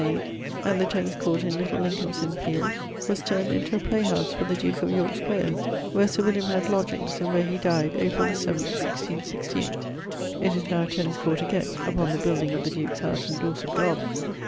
made ...; and the Tennis court in Little Lincolnes Inne fielde was turn'd into a play house for the duke of Yorke's players, where Sir William had lodgeings, and where he dyed, April the <7th> 166<8>[LIV.]. [LIV.] It is now a Tennis court again, upon the building of the duke's house in Dorset garden.